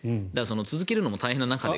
続けるのも大変な中で。